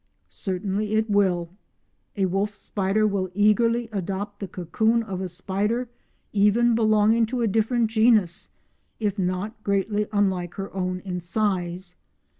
Certainly it will; a wolf spider will eagerly adopt the cocoon of a spider even belonging to a different genus, if not greatly unlike her own in size.